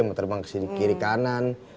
mau terbang ke kiri kanan